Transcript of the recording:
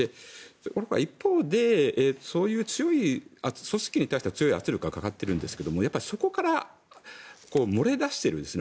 一方でそういう組織に対しては強い圧力がかかっているんですがそこから漏れ出しているんですね